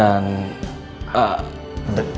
lalu observasi kembali bu